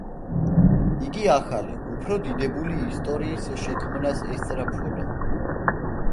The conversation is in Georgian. იგი ახალი, უფრო დიდებული ისტორიის შექმნას ესწრაფვოდა.